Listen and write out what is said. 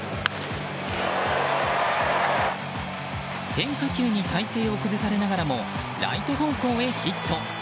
変化球に体勢を崩されながらもライト方向にヒット。